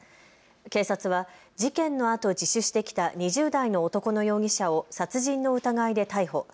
警察は事件のあと自首してきた２０代の男の容疑者を殺人の疑いで逮捕。